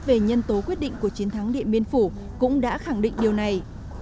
về nhân tố quyết định của chiến thắng điện biên phủ cũng đã khẳng định điều này